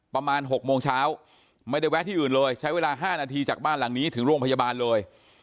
ประมาณ๖โมงเช้าไม่ได้แวะที่อื่นเลยใช้เวลา๕นาทีจากบ้านหลังนี้ถึงโรงพยาบาลเลย